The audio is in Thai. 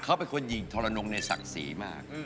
เค้าเป็นคนหญิงทรนองในสังศรีมาก